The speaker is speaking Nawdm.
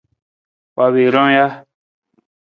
Wa wii wii ron ja?